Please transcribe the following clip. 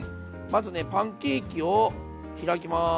まずねパンケーキを開きます。